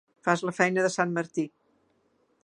Fas la feina de sant Martí.